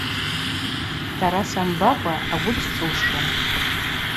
Сара самбакӏва, агвы гьчӏвушым.